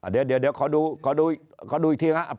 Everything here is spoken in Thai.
เดี๋ยวขอดูอีกทีครับ